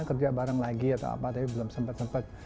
kerja bareng lagi atau apa tapi belum sempat sempat